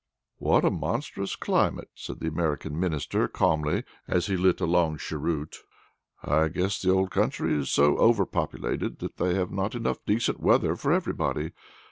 "What a monstrous climate!" said the American Minister, calmly, as he lit a long cheroot. "I guess the old country is so overpopulated that they have not enough decent weather for everybody.